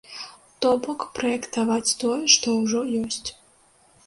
То бок праектаваць тое, што ўжо ёсць.